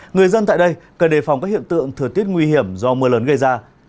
người dân tại đây cần đề phòng các hiện tượng thừa tiết nguy hiểm do mưa lớn gây ra